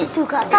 tuh gak ada